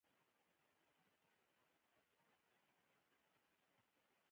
سیلانی ځایونه د افغانستان د ځایي اقتصادونو بنسټ دی.